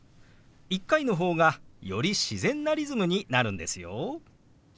１回の方がより自然なリズムになるんですよ。